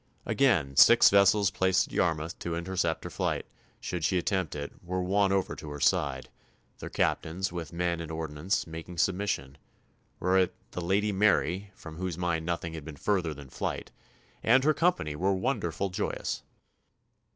Again, six vessels placed at Yarmouth to intercept her flight, should she attempt it, were won over to her side, their captains, with men and ordnance, making submission; whereat "the Lady Mary" from whose mind nothing had been further than flight "and her company were wonderful joyous."